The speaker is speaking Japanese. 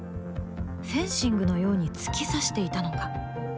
フェンシングのように突き刺していたのか？